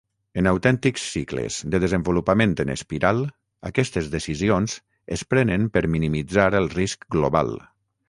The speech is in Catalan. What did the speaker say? En autèntics cicles de desenvolupament en espiral, aquestes decisions es prenen per minimitzar el risc global.